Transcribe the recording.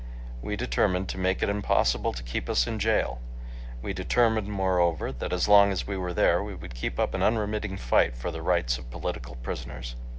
We determined to make it impossible to keep us in jail. We determined, moreover, that as long as we were there we would keep up an unremitting fight for the rights of political prisoners.